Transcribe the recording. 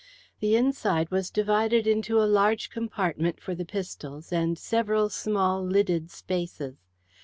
The inside was divided into a large compartment for the pistols and several small lidded spaces.